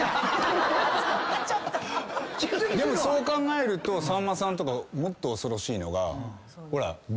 そう考えるとさんまさんとかもっと恐ろしいのが。